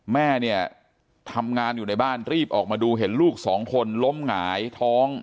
แม่เนี่ยทำงานอยู่ในบ้านรีบออกมาดูเห็นลูกสองคนล้มหงายท้อง